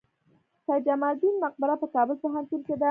سید جمال الدین مقبره په کابل پوهنتون کې ده؟